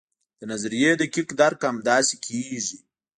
د نظریې دقیق درک همداسې کیږي.